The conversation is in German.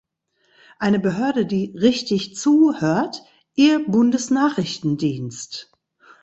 Eine Behörde, die "richtig" zuhört, ihr Bundesnachrichtendienst!